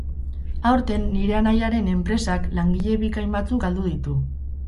Aurten, nire anaiaren enpresak langile bikain batzuk galdu ditu.